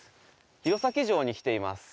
弘前城に来ています